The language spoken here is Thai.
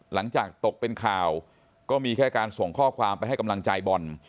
หลังจากตกเป็นข่าวก็มีแค่การส่งข้อความไปให้กำลังใจบอล